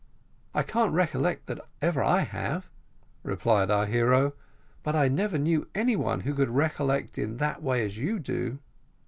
"I can't recollect that ever I have," replied our hero, "but I never knew any one who could recollect in that way as you do."